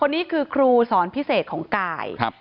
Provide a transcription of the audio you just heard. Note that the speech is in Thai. นี่คือครูสอนพิเศษของกาย